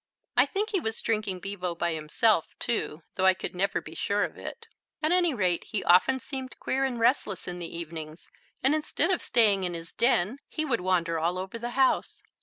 I think he was drinking bevo by himself, too, though I could never be sure of it. At any rate he often seemed queer and restless in the evenings, and instead of staying in his den he would wander all over the house.